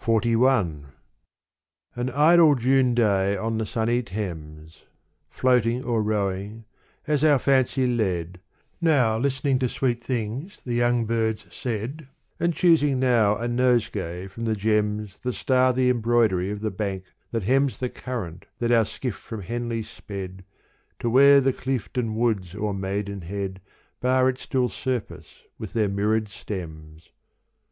XLI An idle June day on the sunny Thames, Floating or rowing as our fancy led, Now listening to sweet things the young birds said And choosing now a nosegay from the gems That star the embroidery of the bank that hems The current that our skiff from Henley sped To where the Cliefden woods o'er Maidenhead Bar its still surface with their mirrored stems.